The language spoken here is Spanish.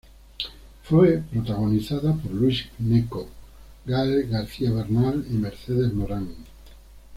Fue protagonizada por Luis Gnecco, Gael García Bernal y Mercedes Morán.